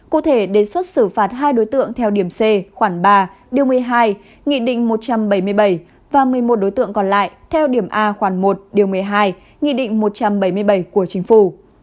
cụ thể đề xuất xử phạt hai đối tượng theo điểm c khoảng ba điều một mươi hai nghị định một trăm bảy mươi bảy và một mươi một đối tượng còn lại theo điểm a khoản một điều một mươi hai nghị định một trăm bảy mươi bảy của chính phủ